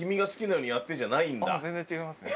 全然違いますね。